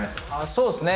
そうですね。